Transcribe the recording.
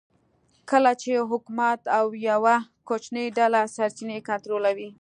کله چې حکومت او یوه کوچنۍ ډله سرچینې کنټرولوي